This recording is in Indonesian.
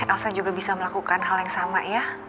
elsa juga bisa melakukan hal yang sama ya